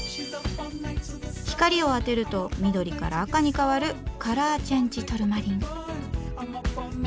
光を当てると緑から赤に変わるカラーチェンジトルマリン。